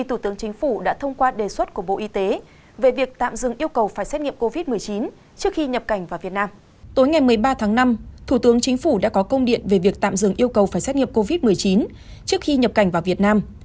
trước ba tháng năm thủ tướng chính phủ đã có công điện về việc tạm dừng yêu cầu phải xét nghiệp covid một mươi chín trước khi nhập cảnh vào việt nam